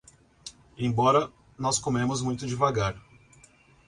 Embora nós comemos muito devagar